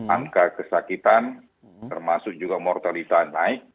angka kesakitan termasuk juga mortalitas naik